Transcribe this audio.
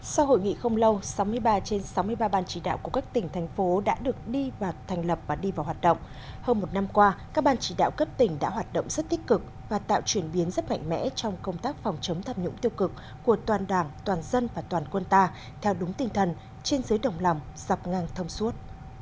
sau hội nghị không lâu sáu mươi ba trên sáu mươi ba ban chỉ đạo của các tỉnh thành phố đã được đi và thành lập và đi vào hoạt động hơn một năm qua các ban chỉ đạo cấp tỉnh đã hoạt động rất tích cực và tạo chuyển biến rất mạnh mẽ trong công tác phòng chống tham nhũng tiêu cực của toàn đảng toàn dân và toàn quân ta theo đúng tinh thần trên dưới đồng lòng dọc ngang thông suốt